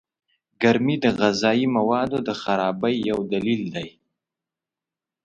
گرمي د غذايي موادو د خرابۍ يو دليل دئ.